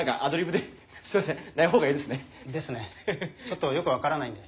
ですねちょっとよく分からないんで。